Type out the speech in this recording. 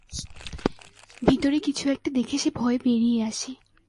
ভিতরে কিছু একটা দেখে সে ভয়ে বেড়িয়ে আসে।